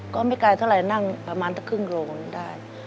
ก็ไม่ไกลเท่าไหร่นั่งประมาณสักครึ่งโลหนึ่งได้